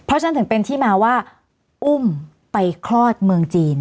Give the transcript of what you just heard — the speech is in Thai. เพราะฉะนั้นถึงเป็นที่มาว่าอุ้มไปคลอดเมืองจีน